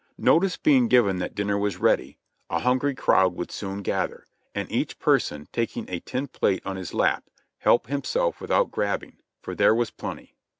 Notice being given that dinner was ready, a hungry crowd would soon gather, and each person taking a tin plate on his lap, help himself without grabbing — for there was plenty.